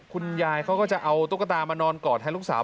คุณยายเขาก็จะเอาตุ๊กตามานอนกอดแทนลูกสาว